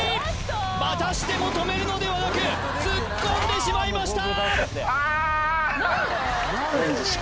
またしても止めるのではなく突っ込んでしまいました